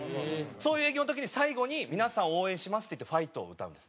そういう営業の時に最後に「皆さんを応援します」って言って『ファイト！』を歌うんです。